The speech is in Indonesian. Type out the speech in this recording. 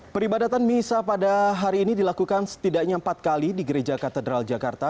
peribadatan misa pada hari ini dilakukan setidaknya empat kali di gereja katedral jakarta